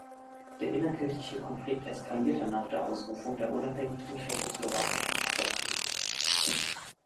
Der innerkirchliche Konflikt eskalierte nach der Ausrufung der unabhängigen tschechoslowakischen Republik.